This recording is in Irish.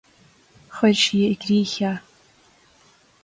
Chuir sí i gcrích é.